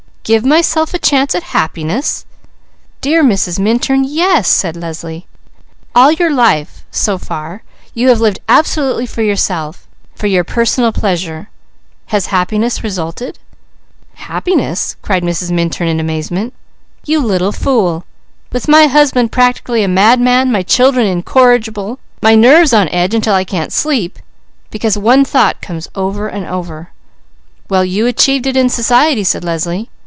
"'Give myself a chance at happiness!'" "Dear Mrs. Minturn, yes!" said Leslie. "All your life, so far, you have lived absolutely for yourself; for your personal pleasure. Has happiness resulted?" "Happiness?" cried Mrs. Minturn in amazement. "You little fool! With my husband practically a madman, my children incorrigible, my nerves on edge until I can't sleep, because one thought comes over and over." "Well you achieved it in society!" said Leslie.